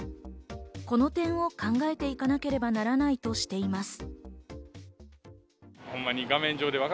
この点を考えていかなければならないとしています。